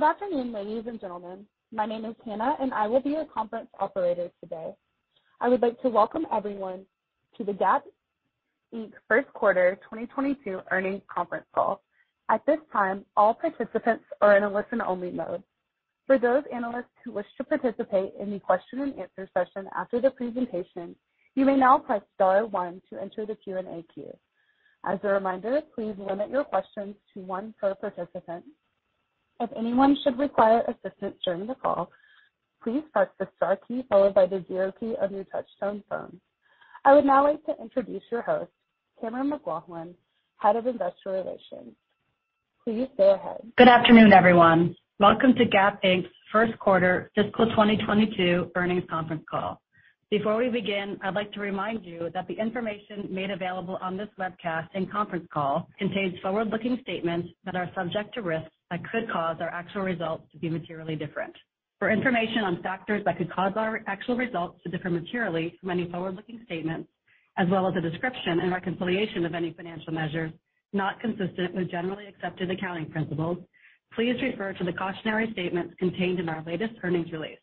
Good afternoon, ladies and gentlemen. My name is Hannah, and I will be your conference operator today. I would like to welcome everyone to the Gap Inc. Q1 2022 Earnings Conference Call. At this time, all participants are in a listen-only mode. For those analysts who wish to participate in the question-and-answer session after the presentation, you may now press star one to enter the Q&A queue. As a reminder, please limit your questions to one per participant. If anyone should require assistance during the call, please press the star key followed by the zero key on your touchtone phone. I would now like to introduce your host, Cammeron McLaughlin, Head of Investor Relations. Please go ahead. Good afternoon, everyone. Welcome to Gap Inc.'s Q1 Fiscal 2022 Earnings Conference Call. Before we begin, I'd like to remind you that the information made available on this webcast and conference call contains forward-looking statements that are subject to risks that could cause our actual results to be materially different. For information on factors that could cause our actual results to differ materially from any forward-looking statements, as well as a description and reconciliation of any financial measures not consistent with generally accepted accounting principles, please refer to the cautionary statements contained in our latest earnings release.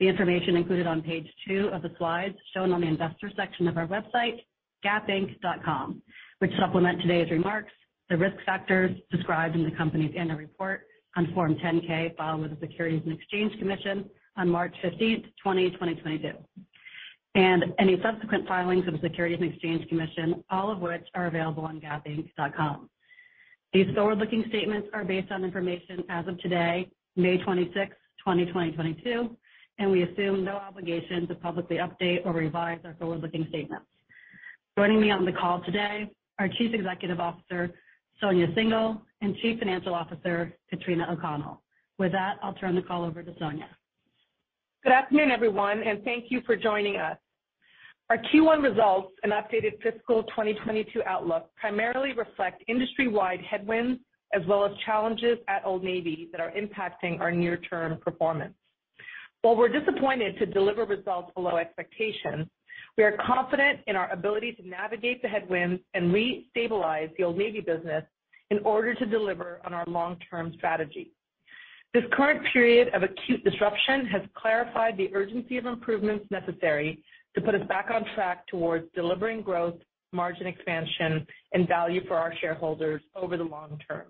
The information included on page two of the slides shown on the investor section of our website, gapinc.com, which supplement today's remarks, the risk factors described in the company's annual report on Form 10-K filed with the Securities and Exchange Commission on March 15th 2022, and any subsequent filings with the Securities and Exchange Commission, all of which are available on gapinc.com. These forward-looking statements are based on information as of today, May 26th 2022, and we assume no obligation to publicly update or revise our forward-looking statements. Joining me on the call today, our Chief Executive Officer, Sonia Syngal, and Chief Financial Officer, Katrina O'Connell. With that, I'll turn the call over to Sonia. Good afternoon, everyone, and thank you for joining us. Our Q1 results and updated fiscal 2022 outlook primarily reflect industry-wide headwinds as well as challenges at Old Navy that are impacting our near-term performance. While we're disappointed to deliver results below expectations, we are confident in our ability to navigate the headwinds and restabilize the Old Navy business in order to deliver on our long-term strategy. This current period of acute disruption has clarified the urgency of improvements necessary to put us back on track towards delivering growth, margin expansion, and value for our shareholders over the long term.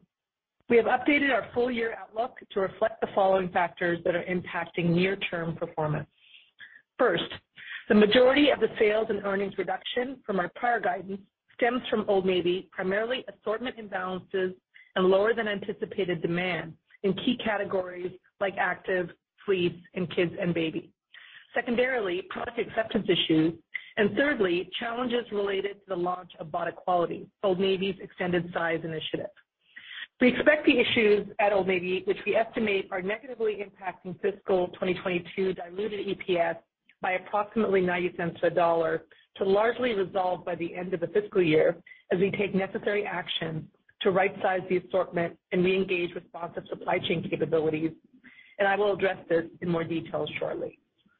We have updated our full-year outlook to reflect the following factors that are impacting near-term performance. First, the majority of the sales and earnings reduction from our prior guidance stems from Old Navy, primarily assortment imbalances and lower than anticipated demand in key categories like active, fleece, and kids and baby. Secondarily, product acceptance issues. Thirdly, challenges related to the launch of BODEQUALITY, Old Navy's extended size initiative. We expect the issues at Old Navy, which we estimate are negatively impacting fiscal 2022 diluted EPS by approximately $0.90, to largely resolve by the end of the fiscal year as we take necessary action to rightsize the assortment and reengage responsive supply chain capabilities. I will address this in more detail shortly.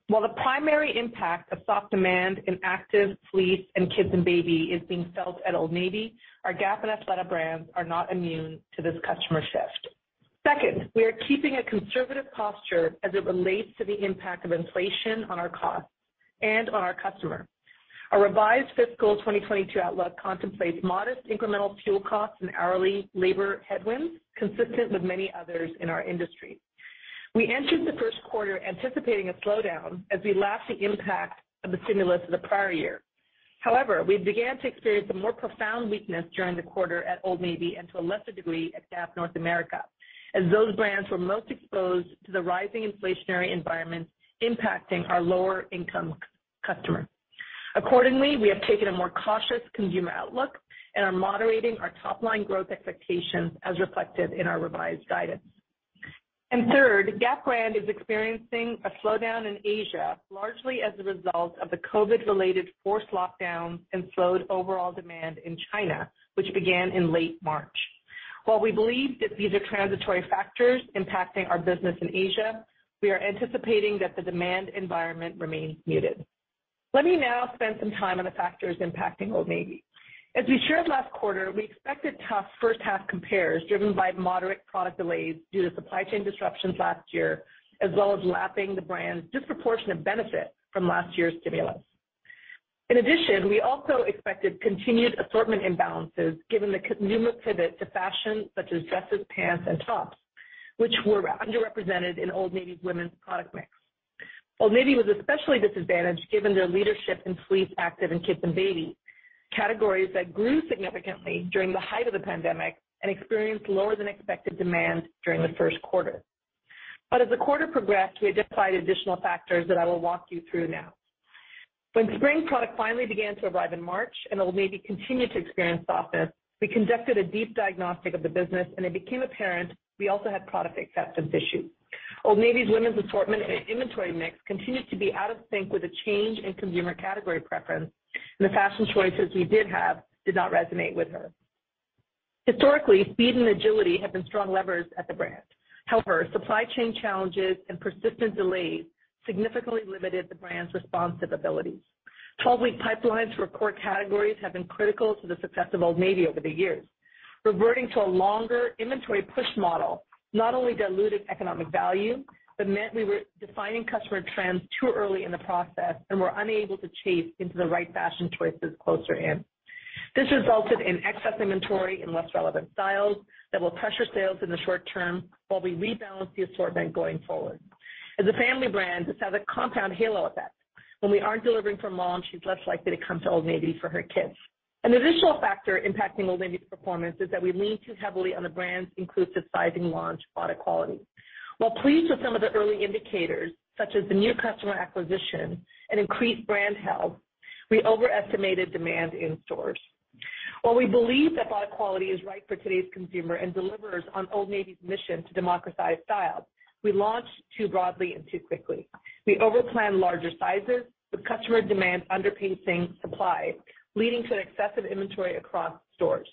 While the primary impact of soft demand in active, fleece, and kids and baby is being felt at Old Navy, our Gap and Athleta brands are not immune to this customer shift. Second, we are keeping a conservative posture as it relates to the impact of inflation on our costs and on our customer. Our revised fiscal 2022 outlook contemplates modest incremental fuel costs and hourly labor headwinds consistent with many others in our industry. We entered the Q1 anticipating a slowdown as we lap the impact of the stimulus of the prior year. However, we began to experience a more profound weakness during the quarter at Old Navy and to a lesser degree at Gap North America, as those brands were most exposed to the rising inflationary environment impacting our lower-income customer. Accordingly, we have taken a more cautious consumer outlook and are moderating our top-line growth expectations as reflected in our revised guidance. Third, Gap brand is experiencing a slowdown in Asia, largely as a result of the COVID-related forced lockdowns and slowed overall demand in China, which began in late March. While we believe that these are transitory factors impacting our business in Asia, we are anticipating that the demand environment remains muted. Let me now spend some time on the factors impacting Old Navy. As we shared last quarter, we expected tough first half compares, driven by moderate product delays due to supply chain disruptions last year, as well as lapping the brand's disproportionate benefit from last year's stimulus. In addition, we also expected continued assortment imbalances given the consumer pivot to fashion such as dresses, pants, and tops, which were underrepresented in Old Navy's women's product mix. Old Navy was especially disadvantaged given their leadership in fleece, active, and kids and baby, categories that grew significantly during the height of the pandemic and experienced lower than expected demand during the Q1. As the quarter progressed, we identified additional factors that I will walk you through now. When spring product finally began to arrive in March and Old Navy continued to experience softness, we conducted a deep diagnostic of the business, and it became apparent we also had product acceptance issues. Old Navy's women's assortment and inventory mix continued to be out of sync with a change in consumer category preference, and the fashion choices we did have did not resonate with her. Historically, speed and agility have been strong levers at the brand. However, supply chain challenges and persistent delays significantly limited the brand's responsive abilities. 12 week pipelines for core categories have been critical to the success of Old Navy over the years. Reverting to a longer inventory push model not only diluted economic value, but meant we were defining customer trends too early in the process and were unable to chase into the right fashion choices closer in. This resulted in excess inventory and less relevant styles that will pressure sales in the short term while we rebalance the assortment going forward. As a family brand, this has a compound halo effect. When we aren't delivering for mom, she's less likely to come to Old Navy for her kids. An additional factor impacting Old Navy's performance is that we lean too heavily on the brand's BODEQUALITY. While pleased with some of the early indicators, such as the new customer acquisition and increased brand health, we overestimated demand in stores. While we believe that product quality is right for today's consumer and delivers on Old Navy's mission to democratize style, we launched too broadly and too quickly. We over-planned larger sizes, with customer demand underpacing supply, leading to excessive inventory across stores.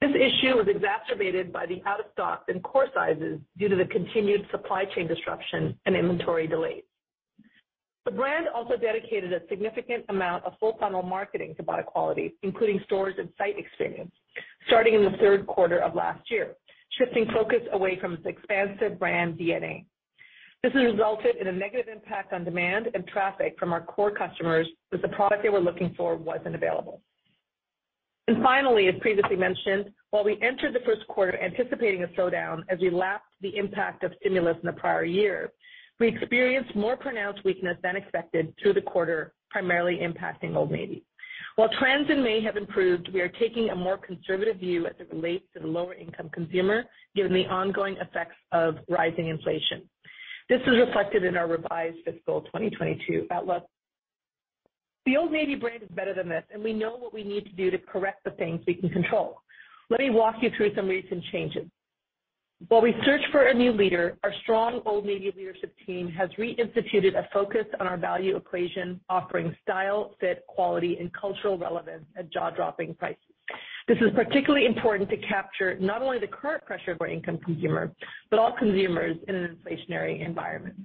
This issue was exacerbated by the out-of-stock in core sizes due to the continued supply chain disruption and inventory delays. The brand also dedicated a significant amount of full-funnel marketing to BODEQUALITY, including stores and site experience starting in the Q3 of last year, shifting focus away from its expansive brand DNA. This has resulted in a negative impact on demand and traffic from our core customers as the product they were looking for wasn't available. Finally, as previously mentioned, while we entered the Q1 anticipating a slowdown as we lapped the impact of stimulus in the prior year, we experienced more pronounced weakness than expected through the quarter, primarily impacting Old Navy. While trends in May have improved, we are taking a more conservative view as it relates to the lower income consumer, given the ongoing effects of rising inflation. This is reflected in our revised fiscal 2022 outlook. The Old Navy brand is better than this, and we know what we need to do to correct the things we can control. Let me walk you through some recent changes. While we search for a new leader, our strong Old Navy leadership team has reinstituted a focus on our value equation, offering style, fit, quality, and cultural relevance at jaw-dropping prices. This is particularly important to capture not only the current pressure on our lower-income consumer, but all consumers in an inflationary environment.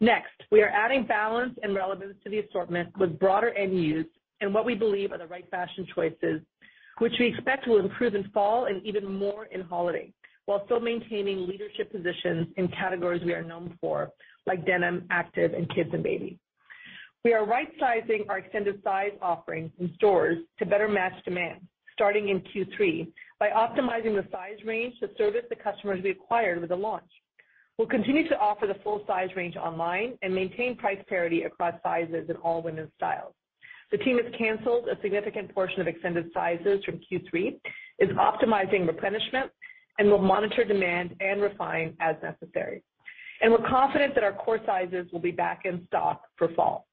Next, we are adding balance and relevance to the assortment with broader end use and what we believe are the right fashion choices, which we expect will improve in fall and even more in holiday, while still maintaining leadership positions in categories we are known for, like denim, active, and kids and baby. We are rightsizing our extended size offerings in stores to better match demand starting in Q3 by optimizing the size range to service the customers we acquired with the launch. We'll continue to offer the full size range online and maintain price parity across sizes in all women's styles. The team has canceled a significant portion of extended sizes from Q3, is optimizing replenishment, and will monitor demand and refine as necessary. We're confident that our core sizes will be back in stock for fall.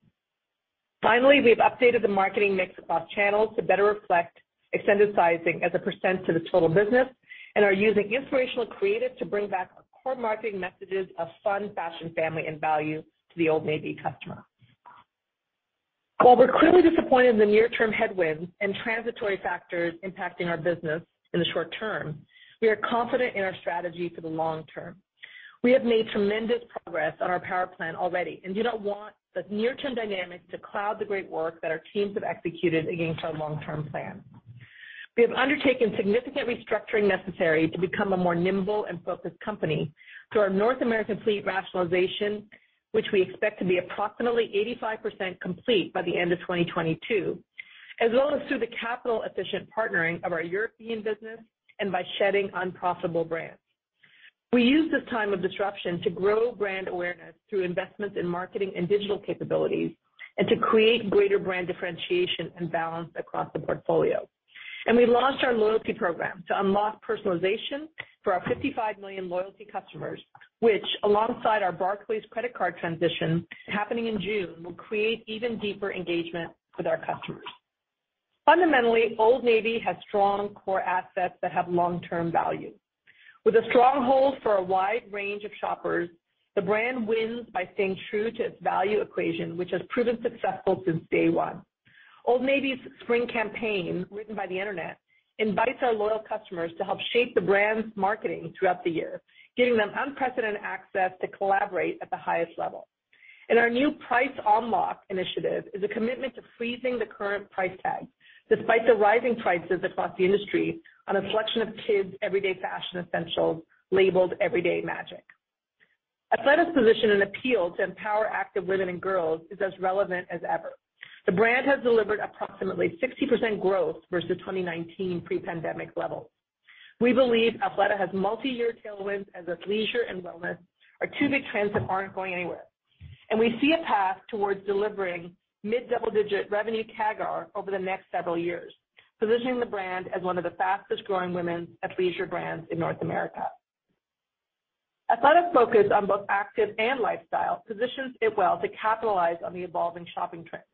Finally, we've updated the marketing mix across channels to better reflect extended sizing as a percent to the total business and are using inspirational creative to bring back our core marketing messages of fun, fashion, family, and value to the Old Navy customer. While we're clearly disappointed in the near-term headwinds and transitory factors impacting our business in the short-term, we are confident in our strategy for the long-term. We have made tremendous progress on our Power Plan already and do not want the near-term dynamics to cloud the great work that our teams have executed against our long-term plan. We have undertaken significant restructuring necessary to become a more nimble and focused company through our North American fleet rationalization, which we expect to be approximately 85% complete by the end of 2022, as well as through the capital efficient partnering of our European business and by shedding unprofitable brands. We use this time of disruption to grow brand awareness through investments in marketing and digital capabilities and to create greater brand differentiation and balance across the portfolio. We launched our loyalty program to unlock personalization for our 55,000,000 loyalty customers, which alongside our Barclays credit card transition happening in June, will create even deeper engagement with our customers. Fundamentally, Old Navy has strong core assets that have long-term value. With a stronghold for a wide range of shoppers, the brand wins by staying true to its value equation, which has proven successful since day one. Old Navy's spring campaign, Written by the Internet, invites our loyal customers to help shape the brand's marketing throughout the year, giving them unprecedented access to collaborate at the highest level. Our new Price ON-Lock initiative is a commitment to freezing the current price tag despite the rising prices across the industry on a selection of kids' everyday fashion essentials labeled Everyday Magic. Athleta's position and appeal to empower active women and girls is as relevant as ever. The brand has delivered approximately 60% growth versus 2019 pre-pandemic levels. We believe Athleta has multi-year tailwinds, as both leisure and wellness are two big trends that aren't going anywhere. We see a path towards delivering mid-double-digit revenue CAGR over the next several years, positioning the brand as one of the fastest-growing women athleisure brands in North America. Athleta's focus on both active and lifestyle positions it well to capitalize on the evolving shopping trends.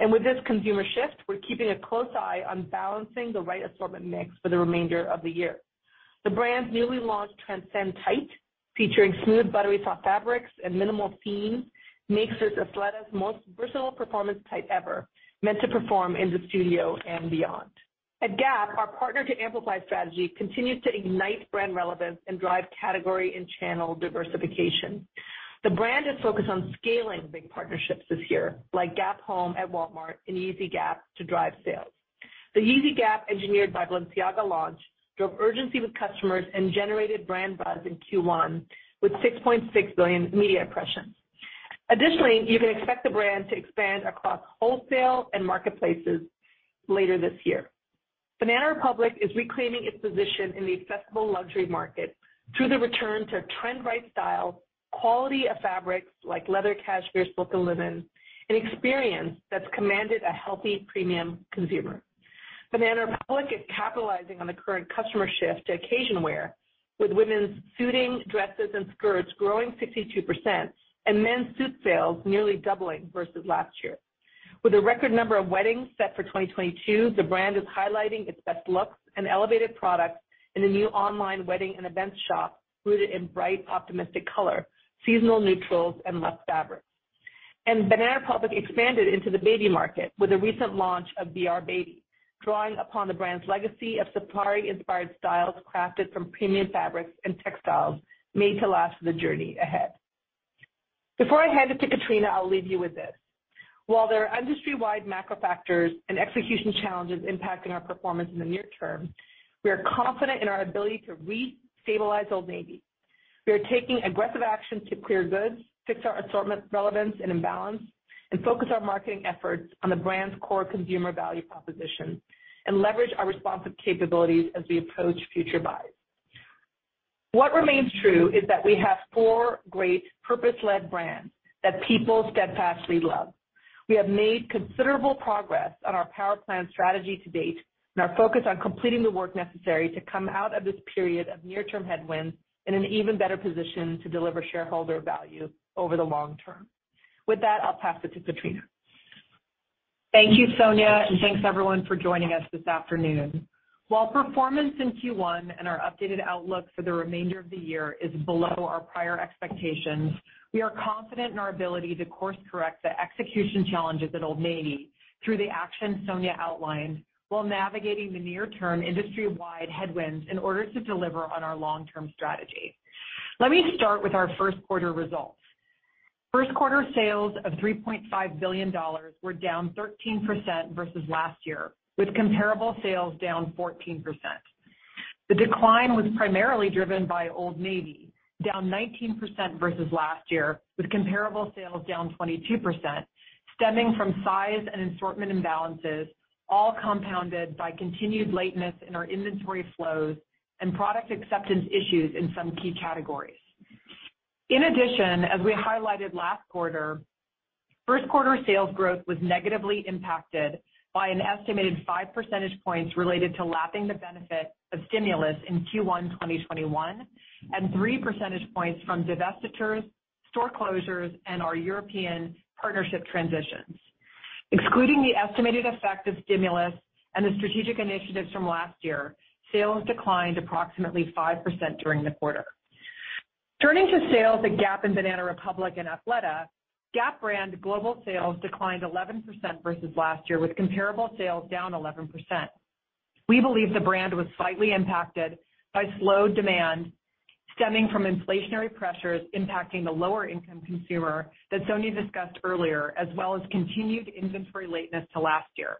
With this consumer shift, we're keeping a close eye on balancing the right assortment mix for the remainder of the year. The brand's newly launched Transcend Tight, featuring smooth, buttery soft fabrics and minimal seams, makes this Athleta's most versatile performance tight ever, meant to perform in the studio and beyond. At Gap, our partner to amplify strategy continues to ignite brand relevance and drive category and channel diversification. The brand is focused on scaling big partnerships this year, like Gap Home at Walmart and Yeezy Gap to drive sales. The Yeezy Gap Engineered by Balenciaga launch drove urgency with customers and generated brand buzz in Q1 with 6.6 billion media impressions. Additionally, you can expect the brand to expand across wholesale and marketplaces later this year. Banana Republic is reclaiming its position in the accessible luxury market through the return to trend right style, quality of fabrics like leather cashmere, silk, and linen, and experience that's commanded a healthy premium consumer. Banana Republic is capitalizing on the current customer shift to occasion wear with women's suiting dresses and skirts growing 62% and men's suit sales nearly doubling versus last year. With a record number of weddings set for 2022, the brand is highlighting its best looks and elevated products in a new online wedding and events shop rooted in bright, optimistic color, seasonal neutrals, and less fabric. Banana Republic expanded into the baby market with a recent launch of BR Baby, drawing upon the brand's legacy of safari-inspired styles crafted from premium fabrics and textiles made to last the journey ahead. Before I hand it to Katrina, I'll leave you with this. While there are industry-wide macro factors and execution challenges impacting our performance in the near term, we are confident in our ability to restabilize Old Navy. We are taking aggressive action to clear goods, fix our assortment relevance and imbalance, and focus our marketing efforts on the brand's core consumer value proposition, and leverage our responsive capabilities as we approach future buys. What remains true is that we have four great purpose-led brands that people steadfastly love. We have made considerable progress on our Power Plan strategy to date, and are focused on completing the work necessary to come out of this period of near-term headwinds in an even better position to deliver shareholder value over the long term. With that, I'll pass it to Katrina. Thank you, Sonia, and thanks everyone for joining us this afternoon. While performance in Q1 and our updated outlook for the remainder of the year is below our prior expectations, we are confident in our ability to course correct the execution challenges at Old Navy through the actions Sonia outlined, while navigating the near-term industry-wide headwinds in order to deliver on our long-term strategy. Let me start with our Q1 results. Q1 sales of $3.5 billion were down 13% versus last year, with comparable sales down 14%. The decline was primarily driven by Old Navy, down 19% versus last year, with comparable sales down 22%, stemming from size and assortment imbalances, all compounded by continued lateness in our inventory flows and product acceptance issues in some key categories. In addition, as we highlighted last quarter, Q1 sales growth was negatively impacted by an estimated 5 percentage points related to lapping the benefit of stimulus in Q1 2021, and 3 percentage points from divestitures, store closures, and our European partnership transitions. Excluding the estimated effect of stimulus and the strategic initiatives from last year, sales declined approximately 5% during the quarter. Turning to sales at Gap and Banana Republic and Athleta, Gap brand global sales declined 11% versus last year, with comparable sales down 11%. We believe the brand was slightly impacted by slowed demand stemming from inflationary pressures impacting the lower income consumer that Sonia discussed earlier, as well as continued inventory lateness to last year.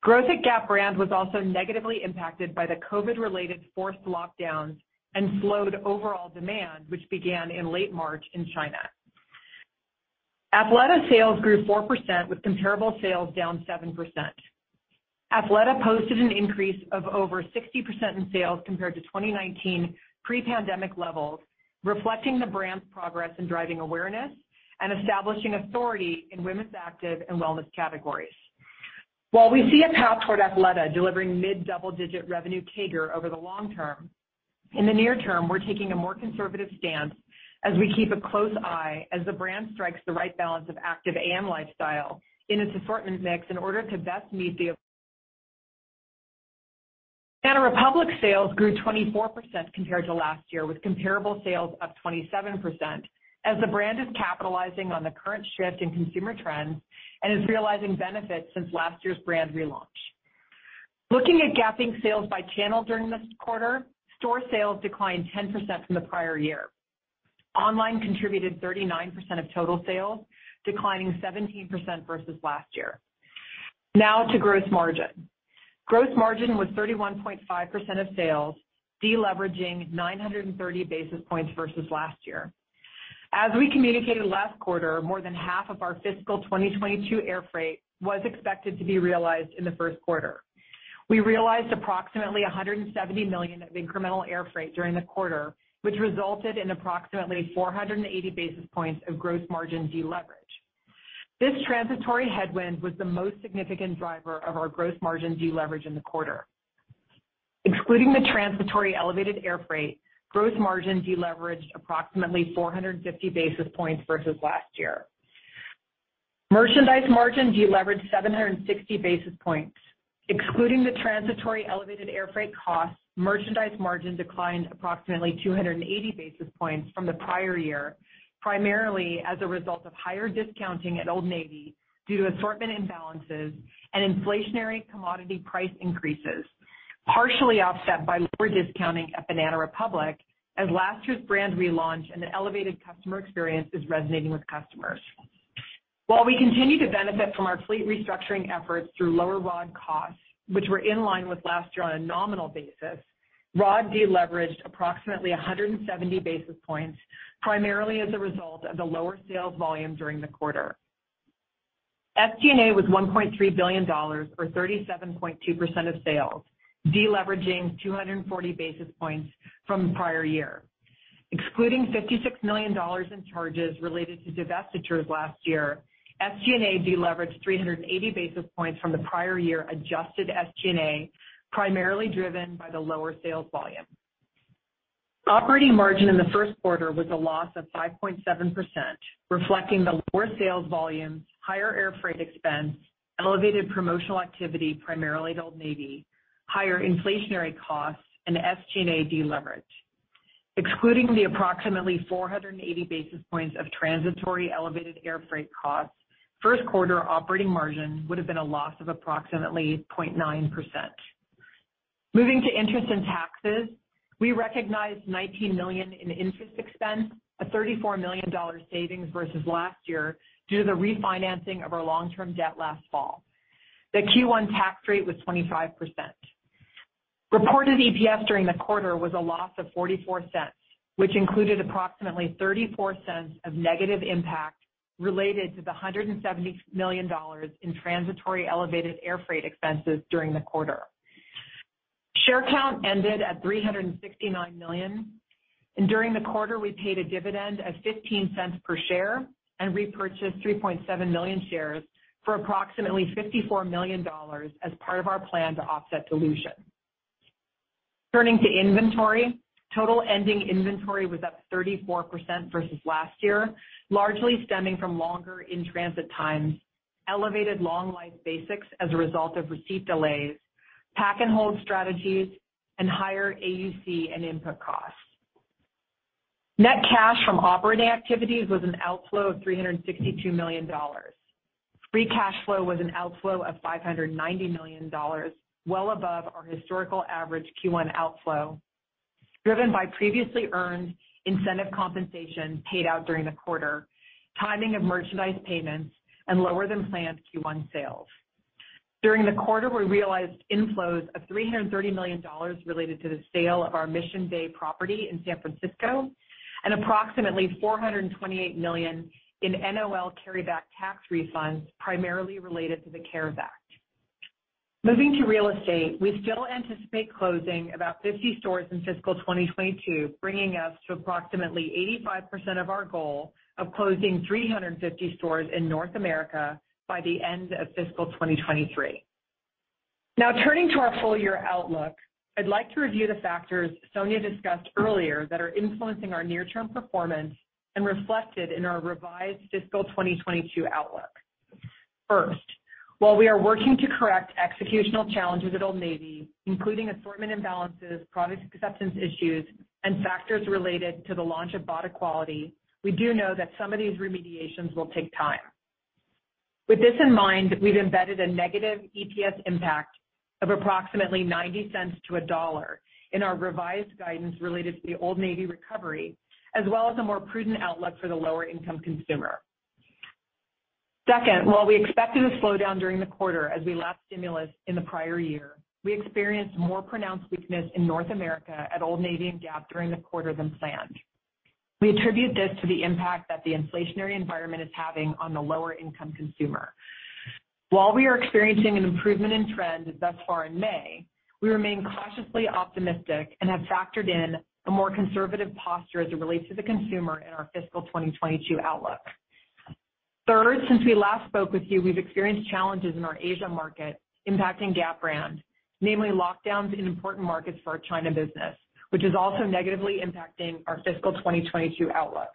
Growth at Gap brand was also negatively impacted by the COVID-related forced lockdowns and slowed overall demand, which began in late March in China. Athleta sales grew 4% with comparable sales down 7%. Athleta posted an increase of over 60% in sales compared to 2019 pre-pandemic levels, reflecting the brand's progress in driving awareness and establishing authority in women's active and wellness categories. While we see a path toward Athleta delivering mid-double-digit revenue CAGR over the long term, in the near term, we're taking a more conservative stance as we keep a close eye as the brand strikes the right balance of active and lifestyle in its assortment mix. Banana Republic sales grew 24% compared to last year, with comparable sales up 27% as the brand is capitalizing on the current shift in consumer trends and is realizing benefits since last year's brand relaunch. Looking at Gap sales by channel during this quarter, store sales declined 10% from the prior year. Online contributed 39% of total sales, declining 17% versus last year. Now to gross margin. Gross margin was 31.5% of sales, deleveraging 930 basis points versus last year. As we communicated last quarter, more than half of our fiscal 2022 air freight was expected to be realized in the Q1. We realized approximately $170 million of incremental air freight during the quarter, which resulted in approximately 480 basis points of gross margin deleverage. This transitory headwind was the most significant driver of our gross margin deleverage in the quarter. Excluding the transitory elevated airfreight, gross margin deleveraged approximately 450 basis points versus last year. Merchandise margin deleveraged 760 basis points. Excluding the transitory elevated air freight costs, merchandise margin declined approximately 280 basis points from the prior year, primarily as a result of higher discounting at Old Navy due to assortment imbalances and inflationary commodity price increases, partially offset by lower discounting at Banana Republic as last year's brand relaunch and the elevated customer experience is resonating with customers. While we continue to benefit from our fleet restructuring efforts through lower COGS, which were in line with last year on a nominal basis, COGS deleveraged approximately 170 basis points, primarily as a result of the lower sales volume during the quarter. SG&A was $1.3 billion or 37.2% of sales, deleveraging 240 basis points from the prior year. Excluding $56 million in charges related to divestitures last year, SG&A deleveraged 380 basis points from the prior year adjusted SG&A, primarily driven by the lower sales volume. Operating margin in the Q1 was a loss of 5.7%, reflecting the lower sales volume, higher air freight expense, elevated promotional activity, primarily at Old Navy, higher inflationary costs, and SG&A deleverage. Excluding the approximately 480 basis points of transitory elevated air freight costs, Q1 operating margin would have been a loss of approximately 0.9%. Moving to interest in taxes, we recognized $19 million in interest expense, a $34 million savings versus last year due to the refinancing of our long-term debt last fall. The Q1 tax rate was 25%. Reported EPS during the quarter was a loss of $0.44, which included approximately $0.34 of negative impact related to the $170 million in transitory elevated air freight expenses during the quarter. Share count ended at 369,000,000, and during the quarter, we paid a dividend of $0.15 per share and repurchased 3,700,000 shares for approximately $54 million as part of our plan to offset dilution. Turning to inventory, total ending inventory was up 34% versus last year, largely stemming from longer in-transit times, elevated long life basics as a result of receipt delays, pack and hold strategies, and higher AUC and input costs. Net cash from operating activities was an outflow of $362 million. Free cash flow was an outflow of $590 million, well above our historical average Q1 outflow, driven by previously earned incentive compensation paid out during the quarter, timing of merchandise payments, and lower than planned Q1 sales. During the quarter, we realized inflows of $330 million related to the sale of our Mission Bay property in San Francisco and approximately $428 million in NOL carryback tax refunds primarily related to the CARES Act. Moving to real estate, we still anticipate closing about 50 stores in fiscal 2022, bringing us to approximately 85% of our goal of closing 350 stores in North America by the end of fiscal 2023. Now turning to our full year outlook, I'd like to review the factors Sonia discussed earlier that are influencing our near-term performance and reflected in our revised fiscal 2022 outlook. First, while we are working to correct executional challenges at Old Navy, including assortment imbalances, product acceptance issues, and factors related to the launch of BODEQUALITY, we do know that some of these remediations will take time. With this in mind, we've embedded a negative EPS impact of approximately $0.90-$1 in our revised guidance related to the Old Navy recovery, as well as a more prudent outlook for the lower-income consumer. Second, while we expected a slowdown during the quarter as we lapped stimulus in the prior year, we experienced more pronounced weakness in North America at Old Navy and Gap during the quarter than planned. We attribute this to the impact that the inflationary environment is having on the lower-income consumer. While we are experiencing an improvement in trend thus far in May, we remain cautiously optimistic and have factored in a more conservative posture as it relates to the consumer in our fiscal 2022 outlook. Third, since we last spoke with you, we've experienced challenges in our Asia market impacting Gap brand, namely lockdowns in important markets for our China business, which is also negatively impacting our fiscal 2022 outlook.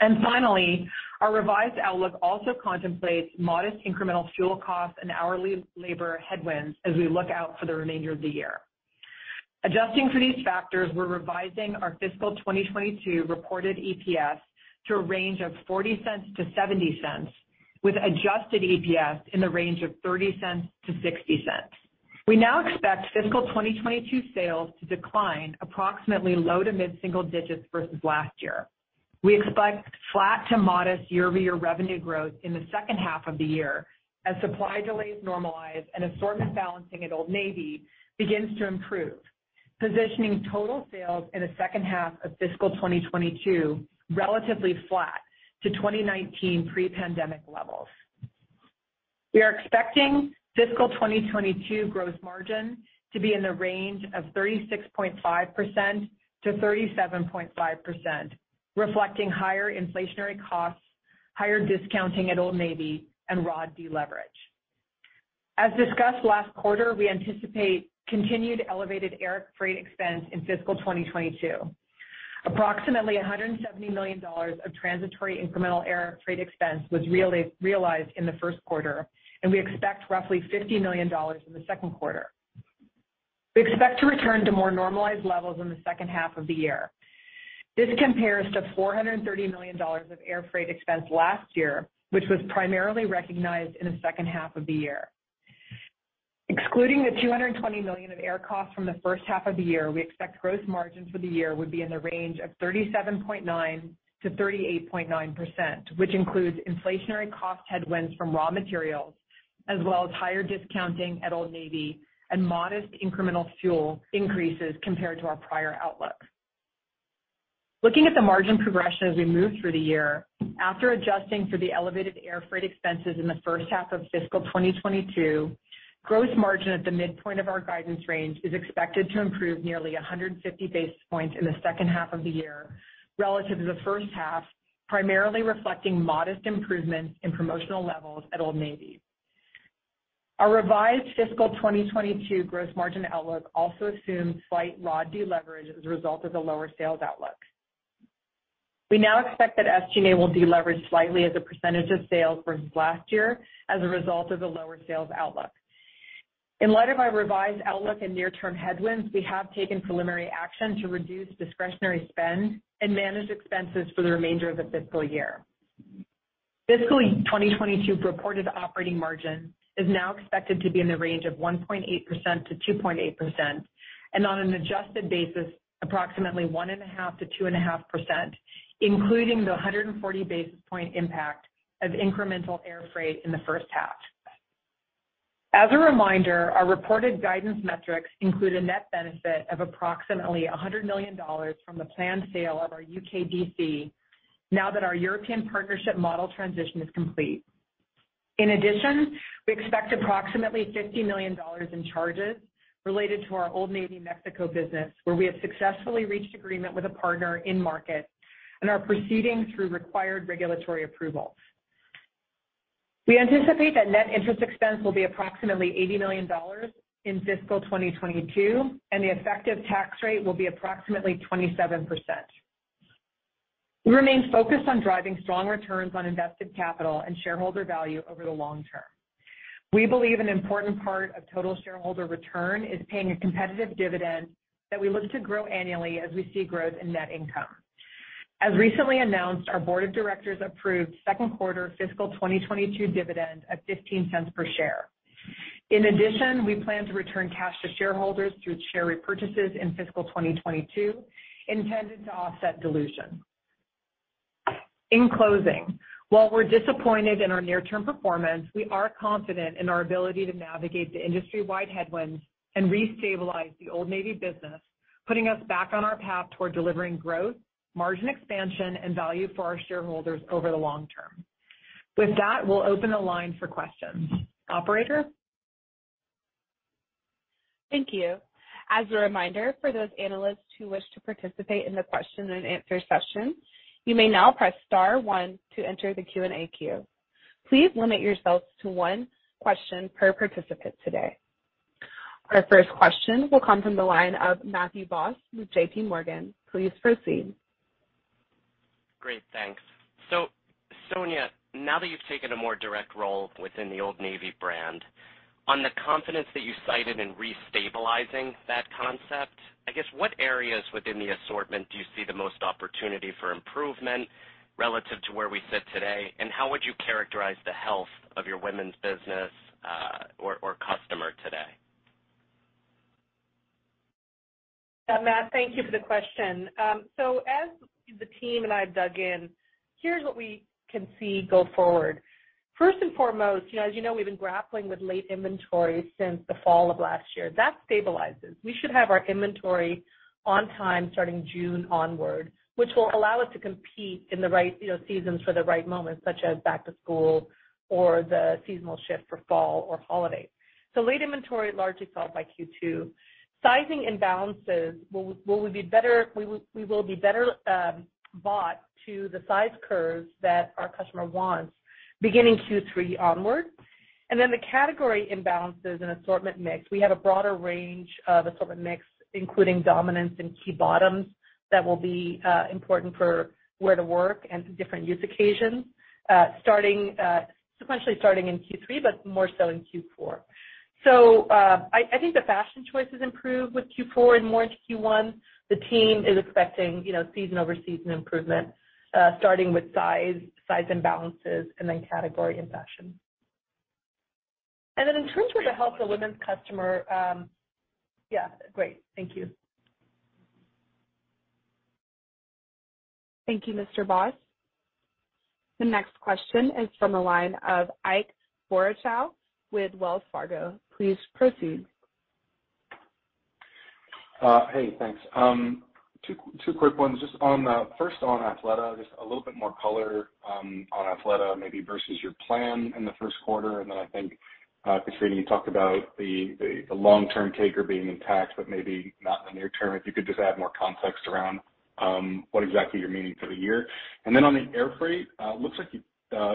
Finally, our revised outlook also contemplates modest incremental fuel costs and hourly labor headwinds as we look out for the remainder of the year. Adjusting for these factors, we're revising our fiscal 2022 reported EPS to a range of $0.40-$0.70, with adjusted EPS in the range of $0.30-$0.60. We now expect fiscal 2022 sales to decline approximately low to mid single digits versus last year. We expect flat to modest year-over-year revenue growth in the second half of the year as supply delays normalize and assortment balancing at Old Navy begins to improve, positioning total sales in the second half of fiscal 2022 relatively flat to 2019 pre-pandemic levels. We are expecting fiscal 2022 gross margin to be in the range of 36.5%-37.5%, reflecting higher inflationary costs, higher discounting at Old Navy, and raw deleverage. As discussed last quarter, we anticipate continued elevated air freight expense in fiscal 2022. Approximately $170 million of transitory incremental air freight expense was realized in the Q1, and we expect roughly $50 million in the second quarter. We expect to return to more normalized levels in the second half of the year. This compares to $430 million of air freight expense last year, which was primarily recognized in the second half of the year. Excluding the $220 million of air costs from the first half of the year, we expect gross margin for the year would be in the range of 37.9%-38.9%, which includes inflationary cost headwinds from raw materials as well as higher discounting at Old Navy and modest incremental fuel increases compared to our prior outlook. Looking at the margin progression as we move through the year, after adjusting for the elevated air freight expenses in the first half of fiscal 2022, gross margin at the midpoint of our guidance range is expected to improve nearly 150 basis points in the second half of the year relative to the first half, primarily reflecting modest improvements in promotional levels at Old Navy. Our revised fiscal 2022 gross margin outlook also assumes slight raw deleverage as a result of the lower sales outlook. We now expect that SG&A will deleverage slightly as a percentage of sales versus last year as a result of the lower sales outlook. In light of our revised outlook and near-term headwinds, we have taken preliminary action to reduce discretionary spend and manage expenses for the remainder of the fiscal year. Fiscal 2022 reported operating margin is now expected to be in the range of 1.8%-2.8% and on an adjusted basis, approximately 1.5%-2.5%, including the 140 basis point impact of incremental air freight in the first half. Our reported guidance metrics include a net benefit of approximately $100 million from the planned sale of our U.K. D.C. now that our European partnership model transition is complete. We expect approximately $50 million in charges related to our Old Navy Mexico business, where we have successfully reached agreement with a partner in market and are proceeding through required regulatory approvals. We anticipate that net interest expense will be approximately $80 million in fiscal 2022, and the effective tax rate will be approximately 27%. We remain focused on driving strong returns on invested capital and shareholder value over the long term. We believe an important part of total shareholder return is paying a competitive dividend that we look to grow annually as we see growth in net income. As recently announced, our board of directors approved Q2 fiscal 2022 dividend of $0.15 per share. In addition, we plan to return cash to shareholders through share repurchases in fiscal 2022, intended to offset dilution. In closing, while we're disappointed in our near-term performance, we are confident in our ability to navigate the industry-wide headwinds and restabilize the Old Navy business, putting us back on our path toward delivering growth, margin expansion, and value for our shareholders over the long term. With that, we'll open the line for questions. Operator? Thank you. As a reminder, for those analysts who wish to participate in the question-and-answer session, you may now press star one to enter the Q&A queue. Please limit yourselves to one question per participant today. Our first question will come from the line of Matthew Boss with JPMorgan. Please proceed. Great, thanks. Sonia, now that you've taken a more direct role within the Old Navy brand, on the confidence that you cited in restabilizing that concept, I guess what areas within the assortment do you see the most opportunity for improvement relative to where we sit today? How would you characterize the health of your women's business, or customer today? Matt, thank you for the question. As the team and I have dug in, here's what we can see go forward. First and foremost, you know, as you know, we've been grappling with late inventory since the fall of last year. That stabilizes. We should have our inventory on time starting June onward, which will allow us to compete in the right, you know, seasons for the right moments, such as back to school or the seasonal shift for fall or holiday. Late inventory largely solved by Q2. Sizing imbalances will be better bought to the size curves that our customer wants beginning Q3 onward. Then the category imbalances and assortment mix. We have a broader range of assortment mix, including dominance in key bottoms that will be important for where to work and different use occasions, sequentially starting in Q3, but more so in Q4. I think the fashion choices improve with Q4 and more into Q1. The team is expecting, you know, season-over-season improvement starting with size imbalances, and then category and fashion. In terms of the health of the women's customer, yeah, great. Thank you. Thank you, Mr. Boss. The next question is from the line of Ike Boruchow with Wells Fargo. Please proceed. Hey, thanks. Two quick ones. Just on first on Athleta, just a little bit more color on Athleta maybe versus your plan in the Q1. Then I think Katrina, you talked about the long-term taker being intact, but maybe not in the near term. If you could just add more context around what exactly you're meaning for the year. Then on the air freight, looks like you guys.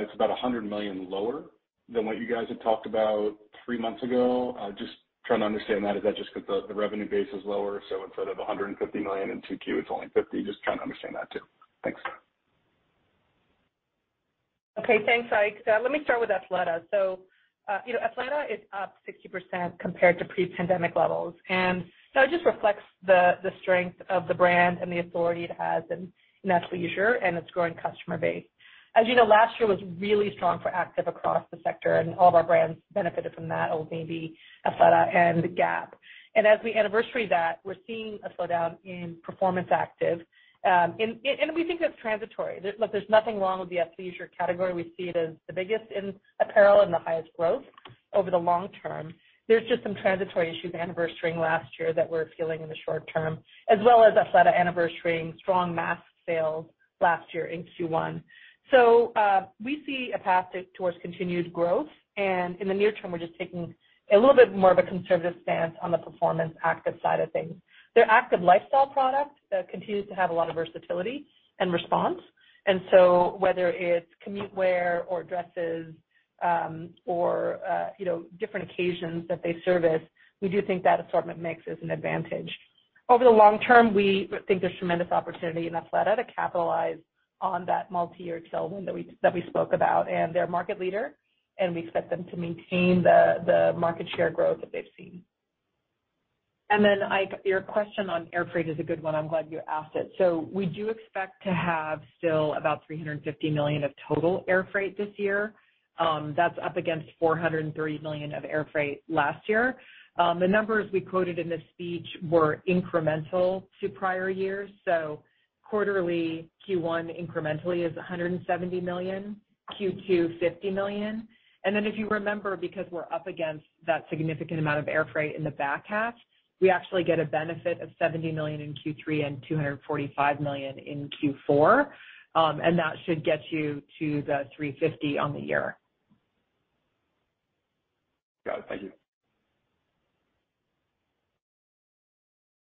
It's about $100 million lower than what you guys had talked about three months ago. Just trying to understand that. Is that just because the revenue base is lower, so instead of $150 million in 2Q, it's only $50 million? Just trying to understand that too. Thanks. Okay, thanks, Ike. Let me start with Athleta. You know, Athleta is up 60% compared to pre-pandemic levels. That just reflects the strength of the brand and the authority it has in athleisure and its growing customer base. As you know, last year was really strong for active across the sector, and all of our brands benefited from that, Old Navy, Athleta, and Gap. As we anniversary that, we're seeing a slowdown in performance active. We think that's transitory. Look, there's nothing wrong with the athleisure category. We see it as the biggest in apparel and the highest growth over the long term. There's just some transitory issues anniversarying last year that we're feeling in the short term, as well as Athleta anniversarying strong mask sales last year in Q1. We see a path towards continued growth, and in the near term, we're just taking a little bit more of a conservative stance on the performance active side of things. Their active lifestyle product continues to have a lot of versatility and response. Whether it's commute wear or dresses, or, you know, different occasions that they service, we do think that assortment mix is an advantage. Over the long term, we think there's tremendous opportunity in Athleta to capitalize on that multiyear tailwind that we spoke about. They're a market leader, and we expect them to maintain the market share growth that they've seen. Ike, your question on air freight is a good one. I'm glad you asked it. We do expect to have still about $350 million of total air freight this year. That's up against $430 million of air freight last year. The numbers we quoted in the speech were incremental to prior years. Quarterly Q1 incrementally is $170 million, Q2 $50 million. If you remember, because we're up against that significant amount of air freight in the back half, we actually get a benefit of $70 million in Q3 and $245 million in Q4. That should get you to the $350 on the year. Got it. Thank you.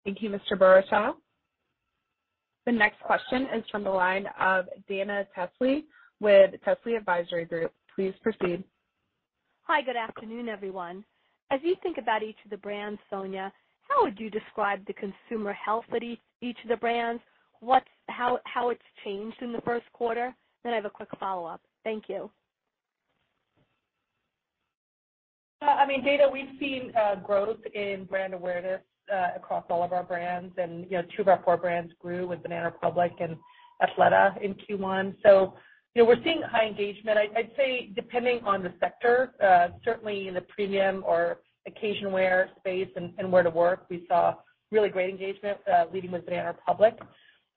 Thank you, Mr. Boruchow. The next question is from the line of Dana Telsey with Telsey Advisory Group. Please proceed. Hi. Good afternoon, everyone. As you think about each of the brands, Sonia, how would you describe the consumer health at each of the brands? How it's changed in the Q1? Then I have a quick follow-up. Thank you. I mean, Dana, we've seen growth in brand awareness across all of our brands. You know, two of our four brands grew with Banana Republic and Athleta in Q1. You know, we're seeing high engagement. I'd say depending on the sector, certainly in the premium or occasion wear space and wear to work, we saw really great engagement leading with Banana Republic.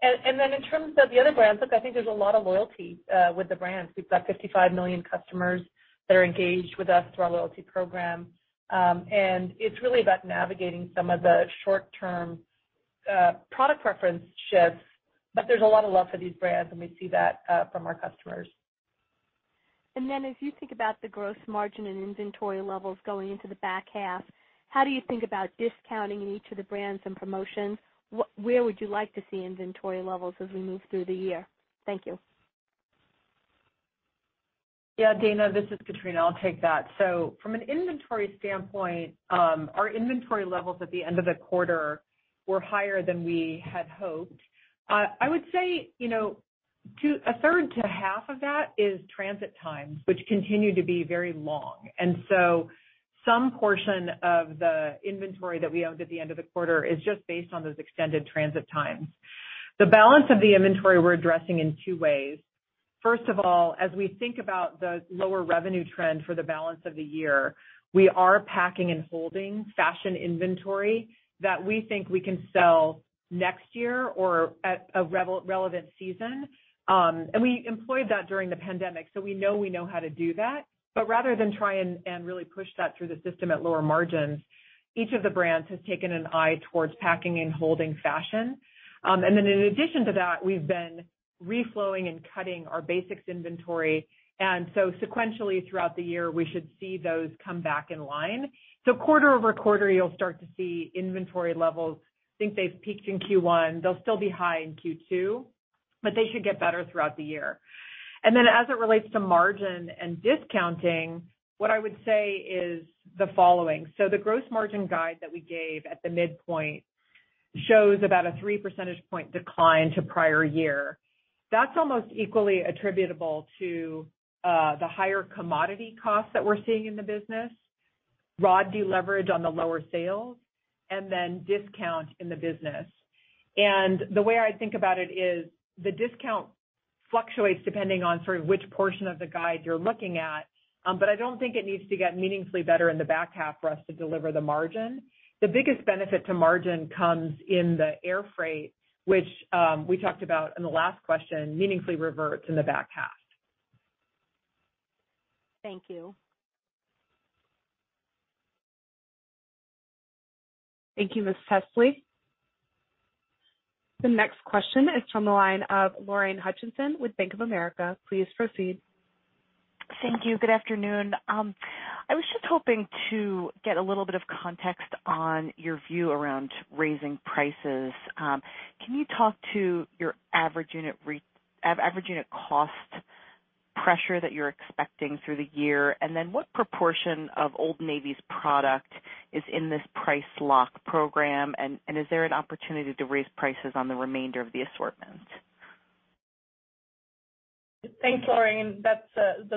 Then in terms of the other brands, look, I think there's a lot of loyalty with the brands. We've got 55,000,000 customers that are engaged with us through our loyalty program. It's really about navigating some of the short-term product preference shifts. There's a lot of love for these brands, and we see that from our customers. As you think about the gross margin and inventory levels going into the back half, how do you think about discounting in each of the brands and promotions? Where would you like to see inventory levels as we move through the year? Thank you. Yeah, Dana, this is Katrina. I'll take that. From an inventory standpoint, our inventory levels at the end of the quarter were higher than we had hoped. I would say, you know, a third to half of that is transit times, which continue to be very long. Some portion of the inventory that we owned at the end of the quarter is just based on those extended transit times. The balance of the inventory we're addressing in two ways. First of all, as we think about the lower revenue trend for the balance of the year, we are packing and holding fashion inventory that we think we can sell next year or at a relevant season. We employed that during the pandemic, so we know how to do that. Rather than try and really push that through the system at lower margins, each of the brands has taken an eye towards packing and holding fashion. In addition to that, we've been reflowing and cutting our basics inventory, and so sequentially throughout the year, we should see those come back in line. Quarter-over-quarter, you'll start to see inventory levels. I think they've peaked in Q1. They'll still be high in Q2, but they should get better throughout the year. As it relates to margin and discounting, what I would say is the following. The gross margin guide that we gave at the midpoint shows about a 3 percentage point decline to prior year. That's almost equally attributable to the higher commodity costs that we're seeing in the business, or deleverage on the lower sales, and then discounting in the business. The way I think about it is the discount fluctuates depending on sort of which portion of the guide you're looking at. But I don't think it needs to get meaningfully better in the back half for us to deliver the margin. The biggest benefit to margin comes in the air freight, which we talked about in the last question, meaningfully reverts in the back half. Thank you. Thank you, Ms. Telsey. The next question is from the line of Lorraine Hutchinson with Bank of America. Please proceed. Thank you. Good afternoon. I was just hoping to get a little bit of context on your view around raising prices. Can you talk to your average unit cost pressure that you're expecting through the year? What proportion of Old Navy's product is in this Price Lock program? Is there an opportunity to raise prices on the remainder of the assortment? Thanks, Lorraine. That's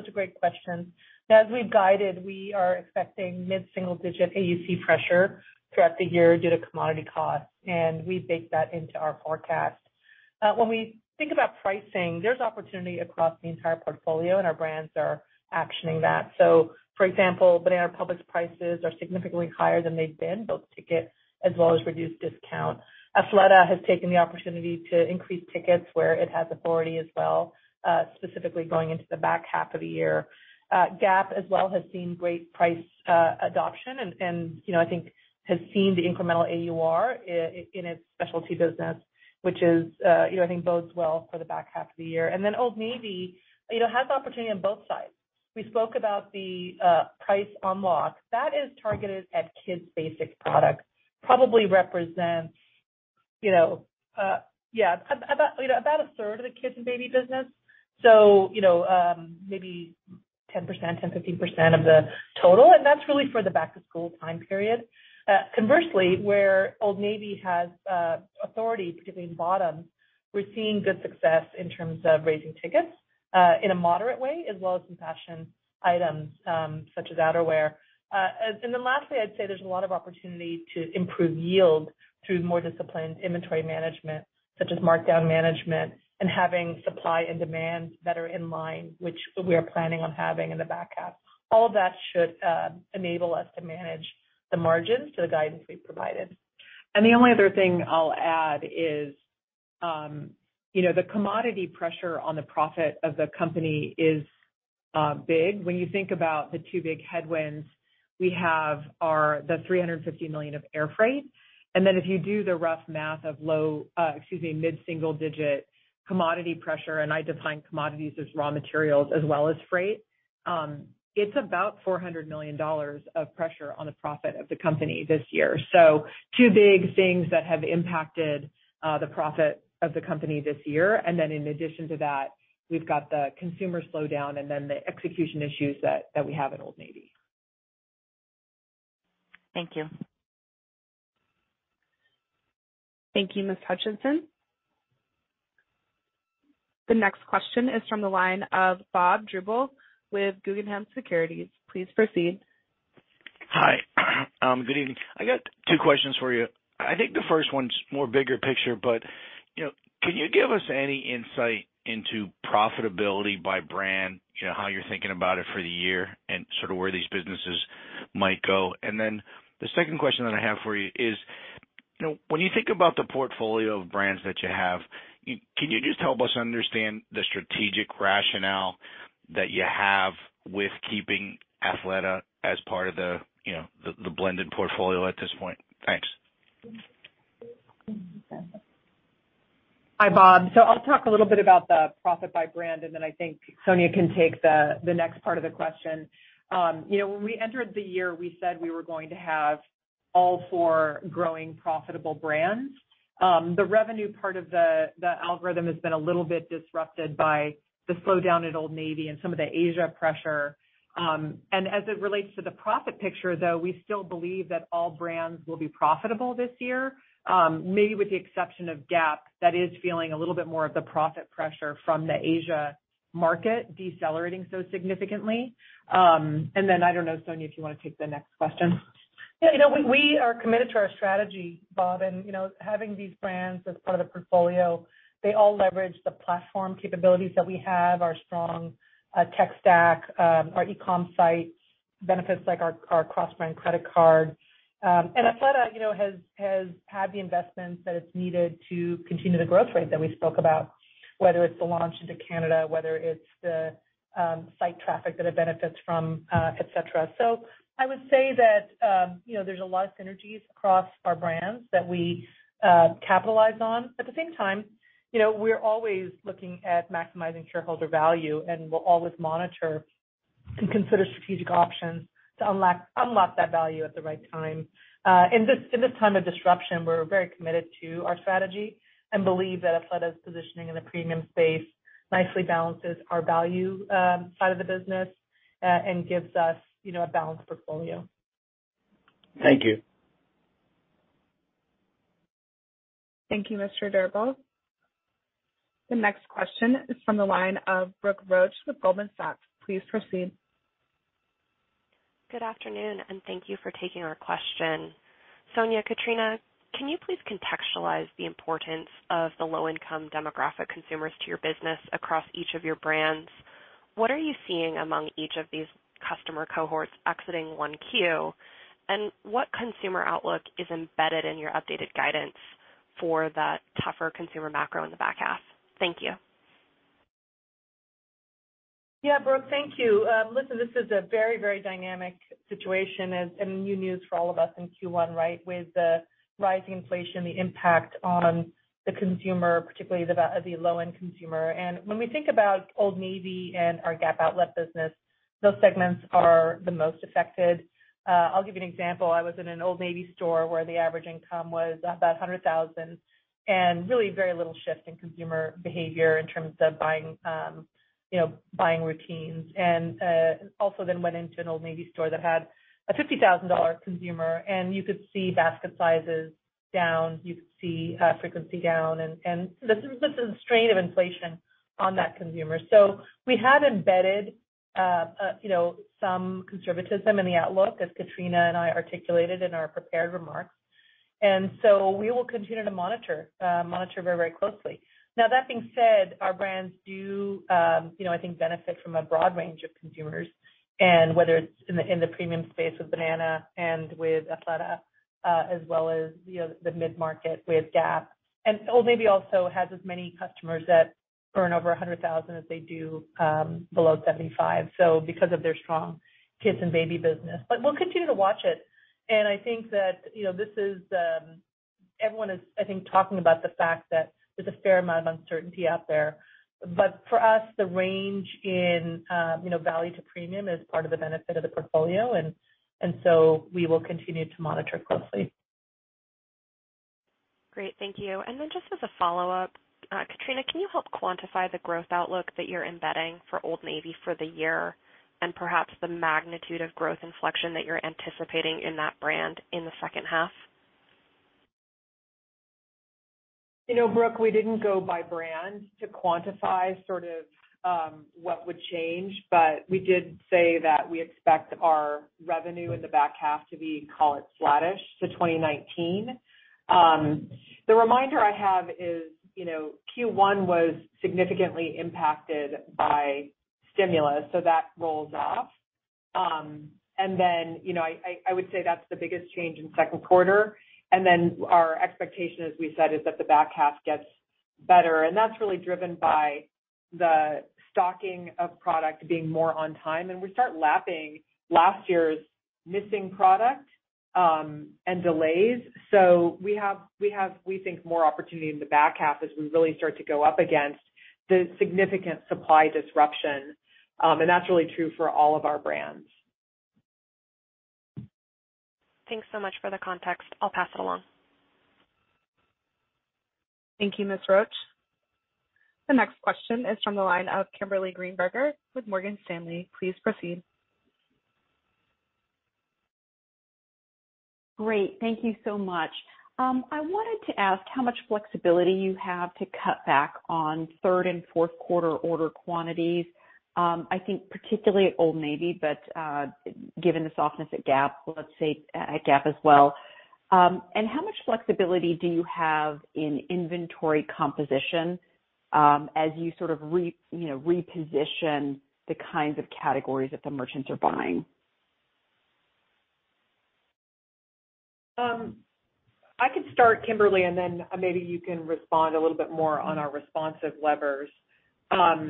a great question. As we've guided, we are expecting mid-single-digit AUC pressure throughout the year due to commodity costs, and we baked that into our forecast. When we think about pricing, there's opportunity across the entire portfolio, and our brands are actioning that. For example, Banana Republic's prices are significantly higher than they've been, both ticket as well as reduced discount. Athleta has taken the opportunity to increase tickets where it has authority as well, specifically going into the back half of the year. Gap as well has seen great price adoption and, you know, I think has seen the incremental AUR in its specialty business, which, you know, I think bodes well for the back half of the year. Then Old Navy, you know, has opportunity on both sides. We spoke about the Price ON-Lock. That is targeted at kids' basic products. Probably represents, you know, yeah, about a third of the kids and baby business, so, you know, maybe 10%-15% of the total, and that's really for the back to school time period. Conversely, where Old Navy has authority, particularly in bottoms, we're seeing good success in terms of raising tickets in a moderate way, as well as some fashion items, such as outerwear. Then lastly, I'd say there's a lot of opportunity to improve yield through more disciplined inventory management, such as markdown management and having supply and demand better in line, which we are planning on having in the back half. All that should enable us to manage the margins to the guidance we've provided. The only other thing I'll add is, you know, the commodity pressure on the profit of the company is big. When you think about the two big headwinds we have are the $350 million of air freight. Then if you do the rough math of mid-single-digit commodity pressure, and I define commodities as raw materials as well as freight, it's about $400 million of pressure on the profit of the company this year. Two big things that have impacted the profit of the company this year. Then in addition to that, we've got the consumer slowdown and then the execution issues that we have at Old Navy. Thank you. Thank you, Ms. Hutchinson. The next question is from the line of Bob Drbul with Guggenheim Securities. Please proceed. Hi. Good evening. I got two questions for you. I think the first one's more bigger picture, but, you know, can you give us any insight into profitability by brand? You know, how you're thinking about it for the year and sort of where these businesses might go. The second question that I have for you is, you know, when you think about the portfolio of brands that you have, can you just help us understand the strategic rationale that you have with keeping Athleta as part of the, you know, the blended portfolio at this point? Thanks. Hi, Bob. I'll talk a little bit about the profit by brand, and then I think Sonia can take the next part of the question. You know, when we entered the year, we said we were going to have all four growing profitable brands. The revenue part of the algorithm has been a little bit disrupted by the slowdown at Old Navy and some of the Asia pressure. As it relates to the profit picture, though, we still believe that all brands will be profitable this year, maybe with the exception of Gap, that is feeling a little bit more of the profit pressure from the Asia market decelerating so significantly. I don't know, Sonia, if you wanna take the next question. Yeah, you know, we are committed to our strategy, Bob, and, you know, having these brands as part of the portfolio, they all leverage the platform capabilities that we have, our strong tech stack, our e-com sites, benefits like our cross-brand credit card. Athleta, you know, has had the investments that it's needed to continue the growth rate that we spoke about, whether it's the launch into Canada, whether it's the site traffic that it benefits from, et cetera. I would say that, you know, there's a lot of synergies across our brands that we capitalize on. At the same time, you know, we're always looking at maximizing shareholder value, and we'll always monitor and consider strategic options to unlock that value at the right time. In this time of disruption, we're very committed to our strategy and believe that Athleta's positioning in the premium space nicely balances our value side of the business and gives us, you know, a balanced portfolio. Thank you. Thank you, Mr. Drbul. The next question is from the line of Brooke Roach with Goldman Sachs. Please proceed. Good afternoon, and thank you for taking our question. Sonia, Katrina, can you please contextualize the importance of the low-income demographic consumers to your business across each of your brands? What are you seeing among each of these customer cohorts exiting 1Q, and what consumer outlook is embedded in your updated guidance for the tougher consumer macro in the back half? Thank you. Yeah, Brooke. Thank you. Listen, this is a very dynamic situation as, I mean, new news for all of us in Q1, right? With the rising inflation, the impact on the consumer, particularly the low-end consumer. When we think about Old Navy and our Gap Outlet business, those segments are the most affected. I'll give you an example. I was in an Old Navy store where the average income was about $100,000, and really very little shift in consumer behavior in terms of buying, you know, buying routines. Also then went into an Old Navy store that had a $50,000 consumer, and you could see basket sizes down, you could see frequency down. This is the strain of inflation on that consumer. We have embedded, you know, some conservatism in the outlook, as Katrina and I articulated in our prepared remarks. We will continue to monitor very closely. Now that being said, our brands do, you know, I think benefit from a broad range of consumers. Whether it's in the premium space with Banana and with Athleta, as well as, you know, the mid-market with Gap. Old Navy also has as many customers that earn over 100,000 as they do below 75, so because of their strong kids and baby business. We'll continue to watch it. I think that, you know, this is. Everyone is, I think, talking about the fact that there's a fair amount of uncertainty out there. For us, the range in, you know, value to premium is part of the benefit of the portfolio. We will continue to monitor closely. Great, thank you. Just as a follow-up, Katrina, can you help quantify the growth outlook that you're embedding for Old Navy for the year and perhaps the magnitude of growth inflection that you're anticipating in that brand in the second half? You know, Brooke, we didn't go by brand to quantify sort of what would change, but we did say that we expect our revenue in the back half to be, call it, flattish to 2019. The reminder I have is, you know, Q1 was significantly impacted by stimulus, so that rolls off. Then, you know, I would say that's the biggest change in Q2. Then our expectation, as we said, is that the back half gets better, and that's really driven by the stocking of product being more on time. We start lapping last year's missing product and delays. We have, we think, more opportunity in the back half as we really start to go up against the significant supply disruption. That's really true for all of our brands. Thanks so much for the context. I'll pass it along. Thank you, Ms. Roach. The next question is from the line of Kimberly Greenberger with Morgan Stanley. Please proceed. Great. Thank you so much. I wanted to ask how much flexibility you have to cut back on third and fourth quarter order quantities, I think particularly at Old Navy, but, given the softness at Gap, let's say at Gap as well. How much flexibility do you have in inventory composition, as you sort of you know, reposition the kinds of categories that the merchants are buying? I could start, Kimberly, and then maybe you can respond a little bit more on our responsive levers. I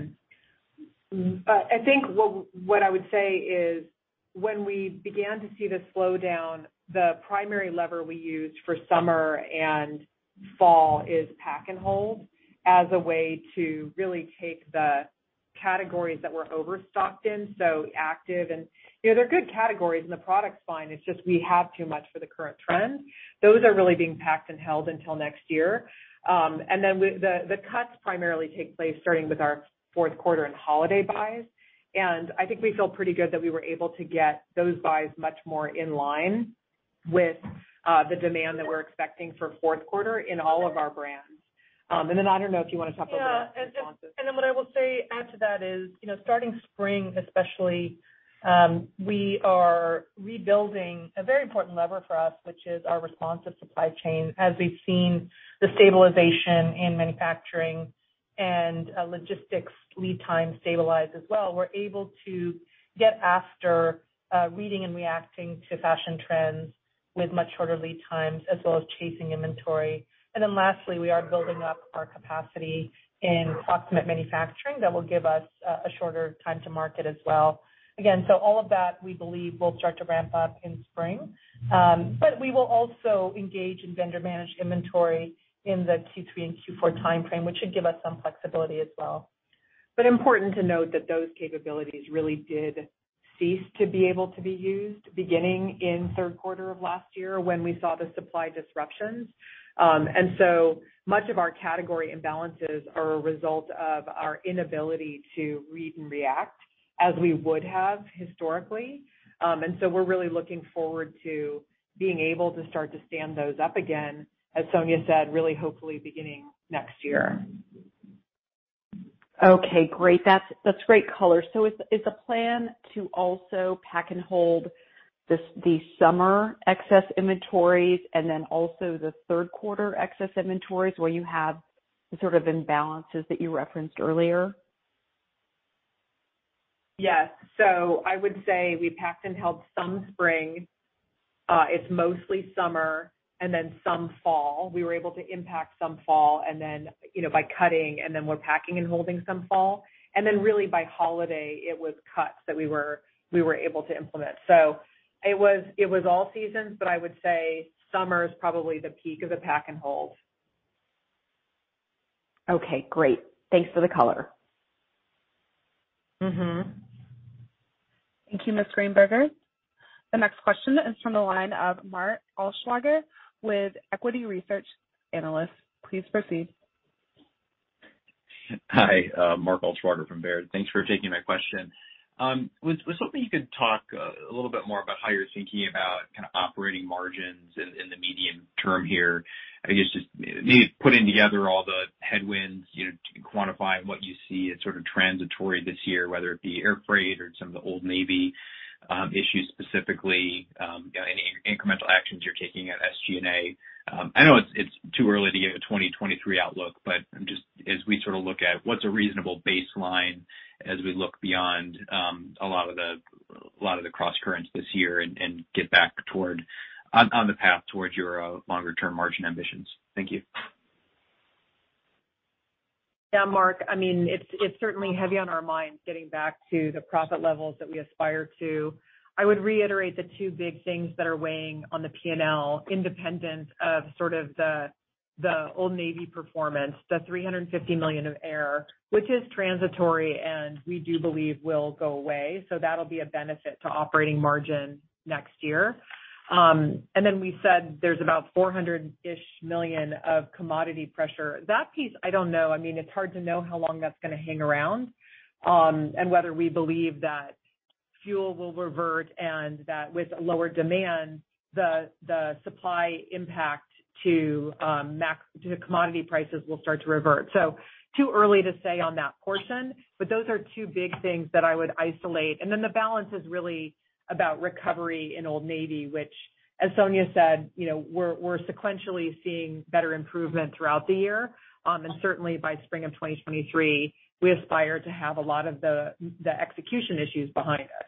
think what I would say is when we began to see the slowdown, the primary lever we used for summer and fall is pack and hold as a way to really take the categories that we're overstocked in, so active. You know, they're good categories and the product's fine, it's just we have too much for the current trend. Those are really being packed and held until next year. The cuts primarily take place starting with our Q4 and holiday buys. I think we feel pretty good that we were able to get those buys much more in line with the demand that we're expecting for Q4 in all of our brands. I don't know if you wanna talk a little bit about responses. Yeah. What I will say, add to that is, you know, starting spring, especially, we are rebuilding a very important lever for us, which is our responsive supply chain. As we've seen the stabilization in manufacturing and logistics lead time stabilize as well, we're able to get after reading and reacting to fashion trends with much shorter lead times as well as chasing inventory. Lastly, we are building up our capacity in proximate manufacturing that will give us a shorter time to market as well. All of that we believe will start to ramp up in spring. We will also engage in vendor managed inventory in the Q3 and Q4 timeframe, which should give us some flexibility as well. Important to note that those capabilities really did cease to be able to be used beginning in Q3 of last year when we saw the supply disruptions. Much of our category imbalances are a result of our inability to read and react as we would have historically. We're really looking forward to being able to start to stand those up again, as Sonia said, really hopefully beginning next year. Okay, great. That's great color. Is the plan to also pack and hold the summer excess inventories and then also the Q3 excess inventories where you have the sort of imbalances that you referenced earlier? Yes. I would say we packed and held some spring. It's mostly summer and then some fall. We were able to impact some fall, and then, you know, by cutting, and then we're packing and holding some fall. Really by holiday, it was cuts that we were able to implement. It was all seasons, but I would say summer is probably the peak of the pack and hold. Okay, great. Thanks for the color. Mm-hmm. Thank you, Ms. Greenberger. The next question is from the line of Mark Altschwager with Equity Research Analyst. Please proceed. Hi, Mark Altschwager from Baird. Thanks for taking my question. Was hoping you could talk a little bit more about how you're thinking about kinda operating margins in the medium term here. I guess just maybe putting together all the headwinds, you know, to quantify what you see as sort of transitory this year, whether it be air freight or some of the Old Navy issues specifically, you know, any incremental actions you're taking at SG&A. I know it's too early to give a 2023 outlook, but just as we sort of look at what's a reasonable baseline as we look beyond a lot of the crosscurrents this year and get back on the path towards your longer term margin ambitions. Thank you. Yeah, Mark. I mean, it's certainly heavy on our minds getting back to the profit levels that we aspire to. I would reiterate the two big things that are weighing on the P&L independent of sort of the Old Navy performance. The $350 million of air, which is transitory, and we do believe will go away. That'll be a benefit to operating margin next year. And then we said there's about $400-ish million of commodity pressure. That piece, I don't know. I mean, it's hard to know how long that's gonna hang around, and whether we believe that fuel will revert and that with lower demand, the supply impact to commodity prices will start to revert. Too early to say on that portion, but those are two big things that I would isolate. The balance is really about recovery in Old Navy, which as Sonia said, you know, we're sequentially seeing better improvement throughout the year. Certainly by spring of 2023, we aspire to have a lot of the execution issues behind us.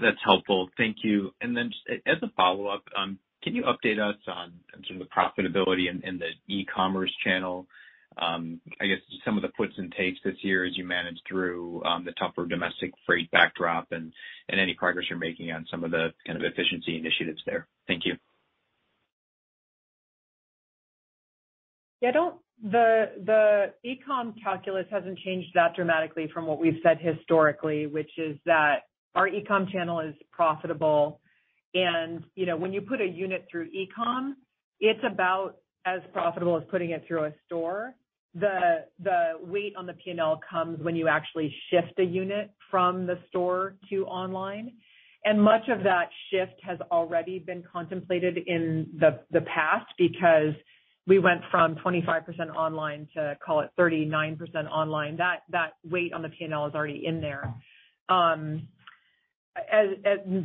That's helpful. Thank you. Just as a follow-up, can you update us on sort of the profitability in the e-commerce channel? I guess just some of the puts and takes this year as you manage through the tougher domestic freight backdrop and any progress you're making on some of the kind of efficiency initiatives there. Thank you. The e-com calculus hasn't changed that dramatically from what we've said historically, which is that our e-com channel is profitable. You know, when you put a unit through e-com, it's about as profitable as putting it through a store. The weight on the P&L comes when you actually shift a unit from the store to online. Much of that shift has already been contemplated in the past because we went from 25% online to, call it, 39% online. That weight on the P&L is already in there. The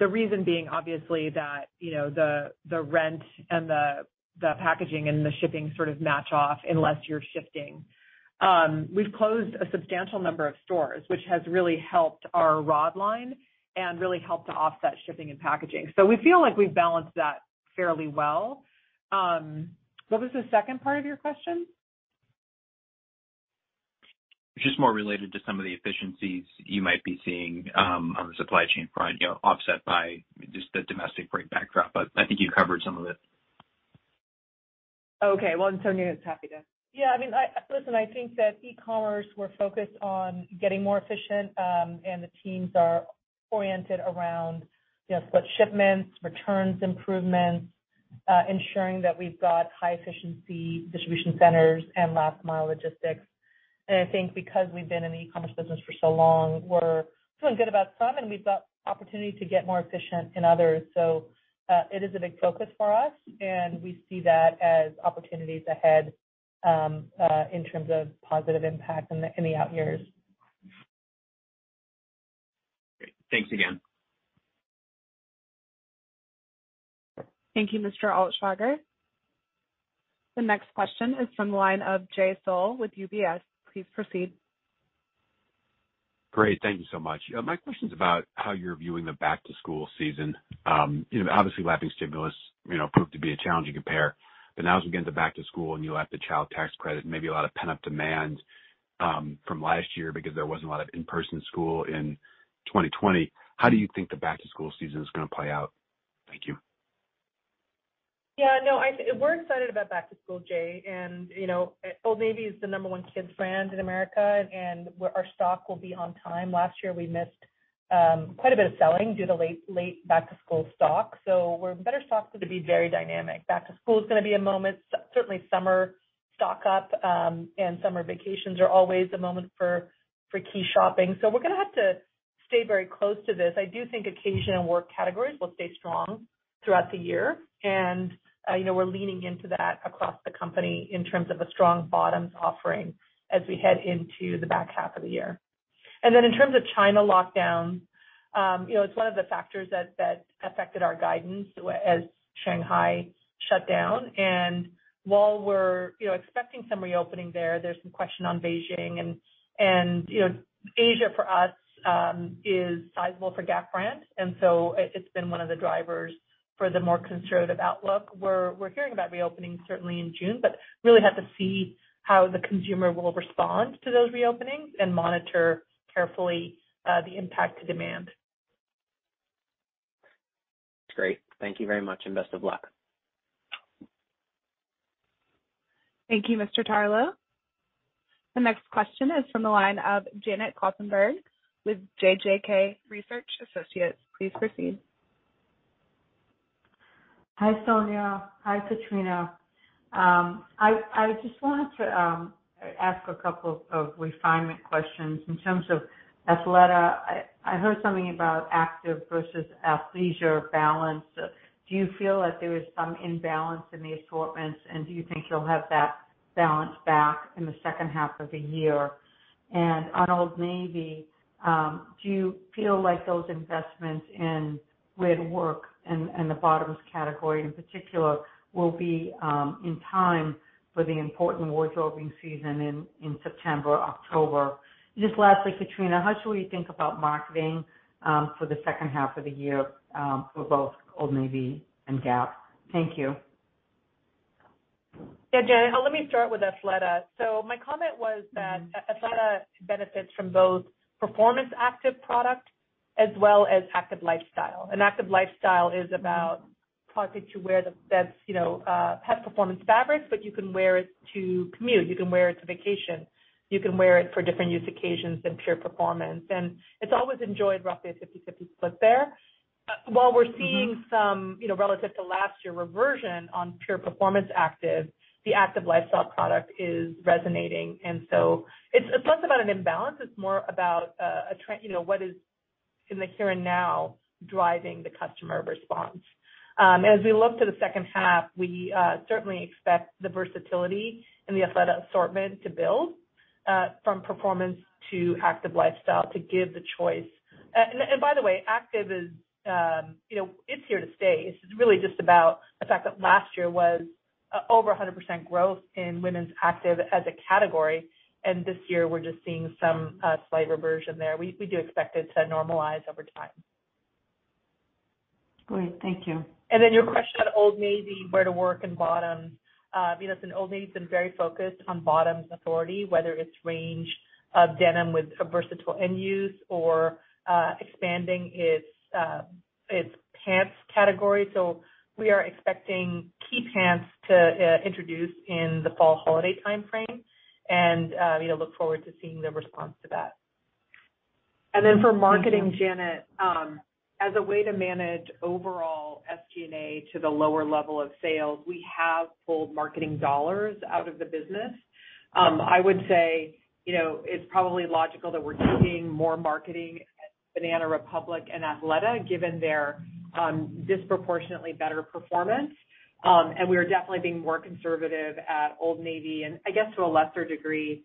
reason being obviously that, you know, the rent and the packaging and the shipping sort of match off unless you're shifting. We've closed a substantial number of stores, which has really helped our ROD line and really helped to offset shipping and packaging. We feel like we've balanced that fairly well. What was the second part of your question? Just more related to some of the efficiencies you might be seeing, on the supply chain front, you know, offset by just the domestic freight backdrop, but I think you covered some of it. Okay. Well, Sonia is happy to Yeah, I mean, listen, I think that e-commerce, we're focused on getting more efficient, and the teams are oriented around, you know, split shipments, returns improvements, ensuring that we've got high efficiency distribution centers and last mile logistics. I think because we've been in the e-commerce business for so long, we're feeling good about some, and we've got opportunity to get more efficient in others. It is a big focus for us, and we see that as opportunities ahead, in terms of positive impact in the out years. Great. Thanks again. Thank you, Mark Altschwager. The next question is from the line of Jay Sole with UBS. Please proceed. Great. Thank you so much. My question's about how you're viewing the back to school season. You know, obviously lapping stimulus, you know, proved to be a challenging compare. Now as we get into back to school and you'll have the child tax credit and maybe a lot of pent-up demand, from last year because there wasn't a lot of in-person school in 2020, how do you think the back to school season is gonna play out? Thank you. Yeah, no. We're excited about back to school, Jay. You know, Old Navy is the number one kids brand in America, and our stock will be on time. Last year, we missed quite a bit of selling due to late back to school stock. We're in better stock, so to be very dynamic. Back to school is gonna be a moment. Certainly summer stock-up, and summer vacations are always a moment for key shopping. We're gonna have to stay very close to this. I do think occasion and work categories will stay strong throughout the year. You know, we're leaning into that across the company in terms of a strong bottoms offering as we head into the back half of the year. Then in terms of China lockdown, you know, it's one of the factors that affected our guidance as Shanghai shut down. While we're, you know, expecting some reopening there's some question on Beijing and, you know, Asia for us is sizable for Gap brand. It's been one of the drivers for the more conservative outlook. We're hearing about reopening certainly in June, but really have to see how the consumer will respond to those reopenings and monitor carefully the impact to demand. Great. Thank you very much, and best of luck. Thank you, Mr. Tarlo. The next question is from the line of Janet Kloppenburg with JJK Research Associates. Please proceed. Hi, Sonia. Hi, Katrina. I just wanted to ask a couple of refinement questions in terms of Athleta. I heard something about active versus athleisure balance. Do you feel that there is some imbalance in the assortments, and do you think you'll have that balance back in the second half of the year? On Old Navy, do you feel like those investments in where to work and the bottoms category, in particular, will be in time for the important wardrobing season in September, October? Just lastly, Katrina, how should we think about marketing for the second half of the year for both Old Navy and Gap? Thank you. Yeah, Janet. Let me start with Athleta. My comment was that Athleta benefits from both performance active product as well as active lifestyle. An active lifestyle is about product you wear that's have performance fabrics, but you can wear it to commute, you can wear it to vacation, you can wear it for different use occasions than pure performance. It's always enjoyed roughly a 50/50 split there. While we're seeing some relative to last year, reversion on pure performance active, the active lifestyle product is resonating. It's less about an imbalance, it's more about a trend. What is in the here and now driving the customer response. As we look to the second half, we certainly expect the versatility in the Athleta assortment to build from performance to active lifestyle to give the choice. By the way, active is, you know, it's here to stay. It's really just about the fact that last year was over 100% growth in women's active as a category, and this year we're just seeing some slight reversion there. We do expect it to normalize over time. Great. Thank you. Your question on Old Navy, where to work in bottoms. You know, listen, Old Navy's been very focused on bottoms authority, whether its range of denim with a versatile end use or expanding its pants category. We are expecting key pants to introduce in the fall holiday timeframe and you know, look forward to seeing the response to that. For marketing, Janet, as a way to manage overall SG&A to the lower level of sales, we have pulled marketing dollars out of the business. I would say, you know, it's probably logical that we're doing more marketing at Banana Republic and Athleta, given their disproportionately better performance. We are definitely being more conservative at Old Navy and I guess to a lesser degree,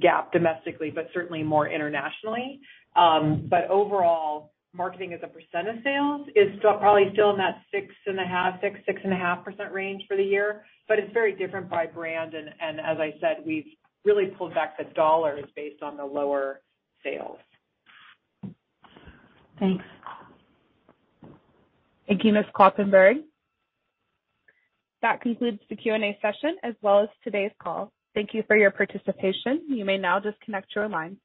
Gap domestically, but certainly more internationally. Overall, marketing as a percent of sales is still probably in that 6.5, 6.5% range for the year. It's very different by brand. As I said, we've really pulled back the dollars based on the lower sales. Thanks. Thank you, Ms. Kloppenburg. That concludes the Q&A session as well as today's call. Thank you for your participation. You may now disconnect your line.